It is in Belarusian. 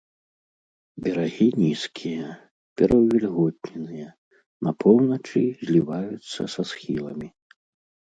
Берагі нізкія, пераўвільготненыя, на поўначы зліваюцца са схіламі.